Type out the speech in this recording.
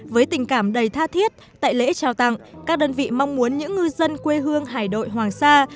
với tình cảm đầy tha thiết tại lễ trao tặng các đơn vị mong muốn những ngư dân quê hương hải đội hoàng sa